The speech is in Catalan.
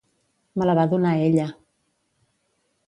Me la va donar ella.